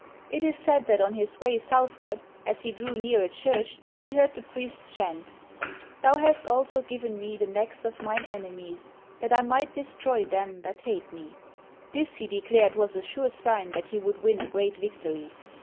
It is said that on his way southward, as he drew near a church, he heard the priests chant, Thou hast also given me the necks of mine enemies ; that I might destroy them that hate me." This, he declared, was a sure sign that he would win a great victory.